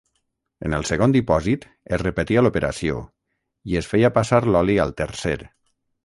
En el segon dipòsit es repetia l’operació, i es feia passar l’oli al tercer.